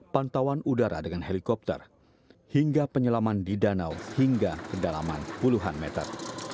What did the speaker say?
pantauan udara dengan helikopter hingga penyelaman di danau hingga kedalaman puluhan meter